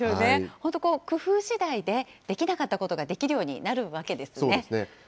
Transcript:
本当、工夫しだいで、できなかったことができるようになるわけでそうですね。